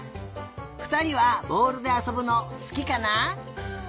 ふたりはぼおるであそぶのすきかな？